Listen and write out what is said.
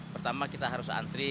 pertama kita harus antri